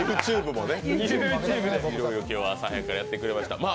今日は朝早くからやってくれました。